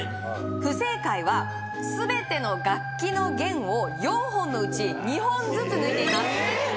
不正解は全ての楽器の弦を４本のうち２本ずつ抜いていますええー？